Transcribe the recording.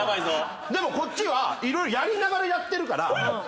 でもこっちは色々やりながらやってるから。